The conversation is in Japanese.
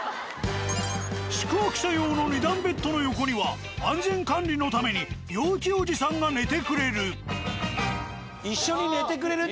宿泊者用の二段ベッドの横には安全管理のために陽気おじさんが寝てくれる。